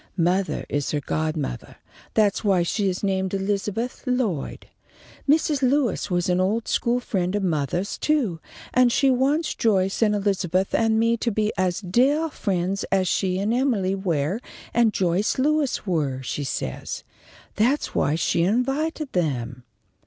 Mother is her godmothah. That's why she is named Elizabeth Lloyd. Mrs. Lewis was an old school friend of mothah's, too, and she wants Joyce and Elizabeth and me to be as deah friends as she and Emily Ware and Joyce Lewis were, she says. That's why she invited them."